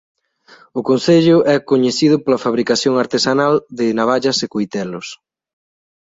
O concello é coñecido pola fabricación artesanal de navallas e coitelos.